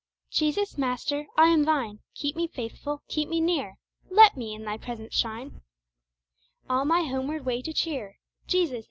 Jesus Master! I am Thine, Keep me faithful keep me near, Let Thy presence in me shine All my homeward way to cheer, Jesus!